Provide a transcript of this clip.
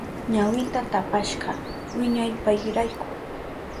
Ñawinta tapashka wiñaypayrayku.